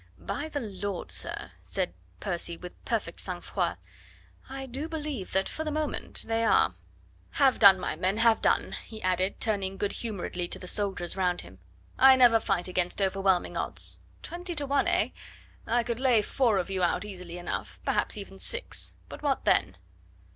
"By the Lord, sir," said Percy with perfect sang froid, "I do believe that for the moment they are." "Have done, my men have done!" he added, turning good humouredly to the soldiers round him. "I never fight against overwhelming odds. Twenty to one, eh? I could lay four of you out easily enough, perhaps even six, but what then?"